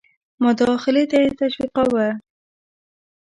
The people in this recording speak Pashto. مداخلې ته یې تشویقاوه.